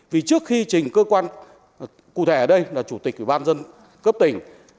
vì trước khi trình cơ quan cụ thể ở đây là chủ tịch ủy ban dân cấp tỉnh